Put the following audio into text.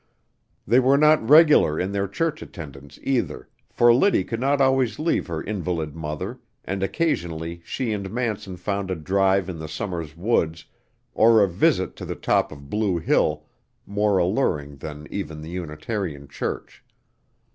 They were not regular in their church attendance, either, for Liddy could not always leave her invalid mother, and occasionally she and Manson found a drive in the summer's woods or a visit to the top of Blue Hill more alluring than even the Unitarian church.